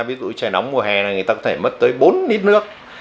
ví dụ trời nóng mùa hè là người ta có thể mất tới bốn lít nước